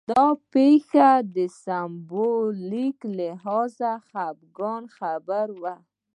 دا پېښه سېمبولیک لحاظ خپګان خبره وه